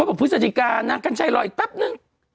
เพื่อสถิกานางกัญชัยรออีกแป๊บนึง